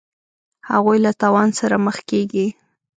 هغوی له تاوان سره مخ کیږي.